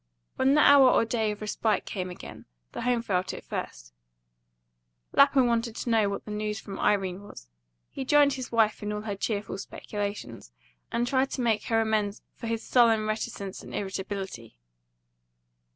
When the hour or day of respite came again, the home felt it first. Lapham wanted to know what the news from Irene was; he joined his wife in all her cheerful speculations, and tried to make her amends for his sullen reticence and irritability.